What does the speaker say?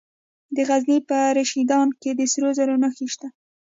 د غزني په رشیدان کې د سرو زرو نښې شته.